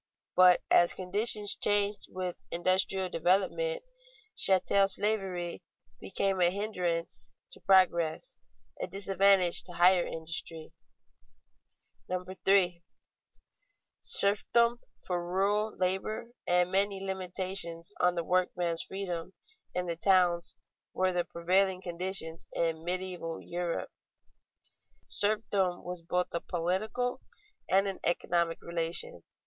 But as conditions changed with industrial development, chattel slavery became a hindrance to progress, a disadvantage to higher industry. [Sidenote: Place of the workers in the Middle Ages] 3. _Serfdom for rural labor and many limitations on the workman's freedom in the towns, were the prevailing conditions in medieval Europe._ Serfdom was both a political and an economic relation.